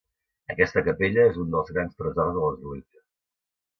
Aquesta capella és un dels grans tresors de l'església.